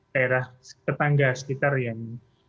daerah tetangga sekitar yang